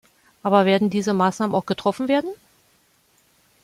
Aber werden diese Maßnahmen auch getroffen werden?